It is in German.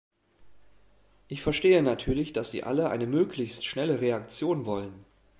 Ich verstehe natürlich, dass Sie alle eine möglichst schnelle Reaktion wollen.